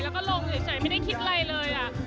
แล้วก็ลงเฉยไม่ได้คิดอะไรเลย